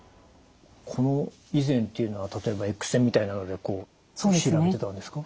この以前というのは例えばＸ線みたいなので調べてたんですか？